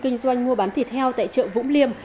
kinh doanh mua bán thịt heo tại chợ vũng liêm